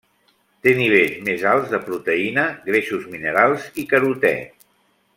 Té nivells més alts de proteïna, greixos minerals i carotè.